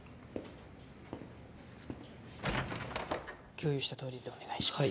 共有したとおりでお願いします